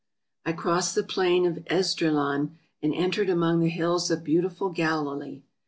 I crossed the plain of Esdraelon, and entered among the hills of beautiful Galilee.